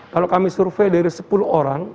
kalau kami survei dari sepuluh orang